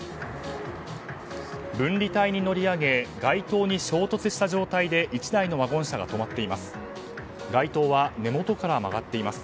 分離帯に乗り上げ街灯に衝突した状態で１台のワゴン車が止まっています。